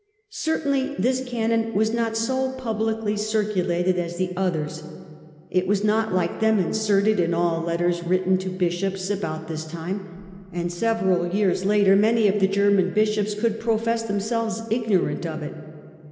Certainly this canon was not so publicly circulated as the others ; it was not, like them, inserted in all letters written to bishops about this time, and several years later many of the German bishops could profess themselves ignorant of it.